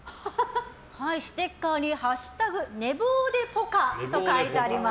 ステッカーに「＃寝坊でポカ」と書かれています。